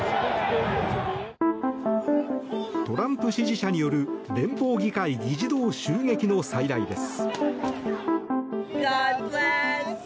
トランプ支持者による連邦議会議事堂襲撃の再来です。